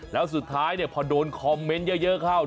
แล้วสุดท้ายพอโดนคอมเมนต์เยอะเข้า